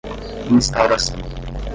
instauração